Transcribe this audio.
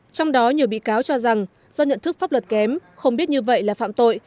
trong đó nhiều bị cáo cho rằng do nhận thức pháp luật kém không biết như vậy là phạm tội